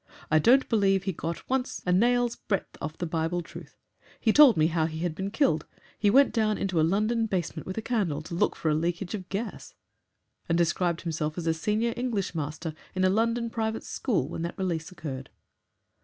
I don't believe he got once a nail's breadth off the Bible truth. He told me how he had been killed he went down into a London basement with a candle to look for a leakage of gas and described himself as a senior English master in a London private school when that release occurred."